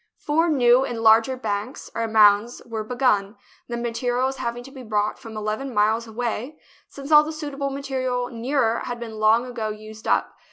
Four new and larger banks, or mounds, were be gun, the materials having to be brought from eleven miles away, since all suitable material nearer had been long ago used up.